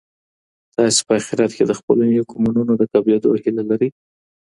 تاسي په اخیرت کي د خپلو نېکو مننو د قبلېدو هیله لرئ.